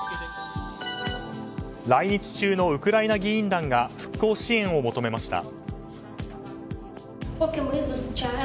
来日中のウクライナ議員団が復興支援を求めました。